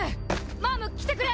マァム来てくれ！